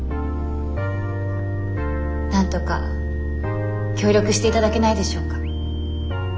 なんとか協力して頂けないでしょうか？